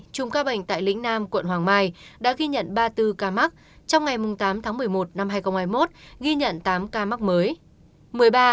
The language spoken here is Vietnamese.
trung ca bệnh tại lĩnh nam quận hoàng mai đã ghi nhận ba mươi bốn ca mắc trong ngày tám tháng một mươi một năm hai nghìn hai mươi một ghi nhận tám ca mắc mới